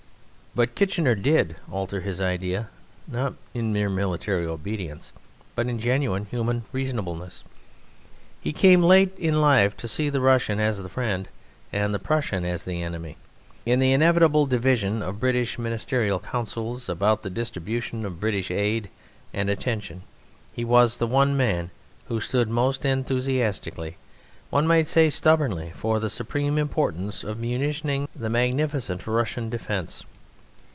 But Kitchener did alter his idea. Not in mere military obedience, but in genuine human reasonableness, he came late in life to see the Russian as the friend and the Prussian as the enemy. In the inevitable division of British ministerial councils about the distribution of British aid and attention he was the one man who stood most enthusiastically, one might say stubbornly, for the supreme importance of munitioning the magnificent Russian defence.